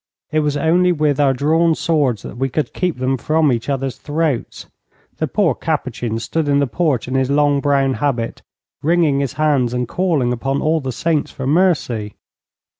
It was only with our drawn swords that we could keep them from each other's throats. The poor Capuchin stood in the porch in his long brown habit, wringing his hands and calling upon all the saints for mercy.